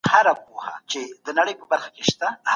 که حضوري ټولګي فعال وي د ملګرو مرسته زياتېږي.